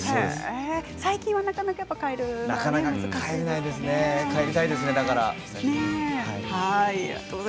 最近はなかなか帰りたいですね。